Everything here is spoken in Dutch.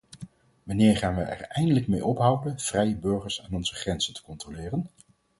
Wanneer gaan wij er eindelijk mee ophouden vrije burgers aan onze grenzen te controleren?